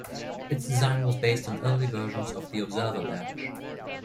Its design was based on early versions of the Observer Badge.